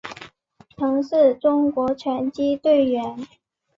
曾是中国拳击队员。